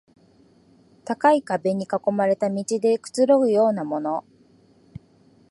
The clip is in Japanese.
高い壁に囲まれた庭でくつろぐようなもの